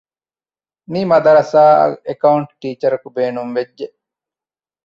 މި މަދަރަސާއަށް އެކައުންޓް ޓީޗަރަކު ބޭނުން ވެއްޖެ